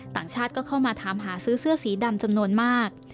ต่างชาติก็เข้ามาถามหาซื้อเสื้อสีดำจำนวนมาก